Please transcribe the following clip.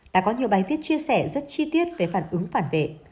đã có nhiều bài viết chia sẻ rất chi tiết về phản ứng phản vệ